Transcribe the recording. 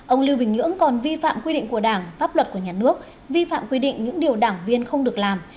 ông lưu bình nhưỡng còn vi phạm quy định của đảng pháp luật của nhà nước vi phạm quy định những điều đảng viên không được làm